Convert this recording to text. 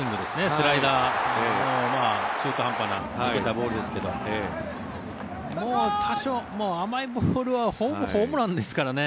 スライダー中途半端に抜けたボールですけどもう甘いボールはほぼホームランですからね。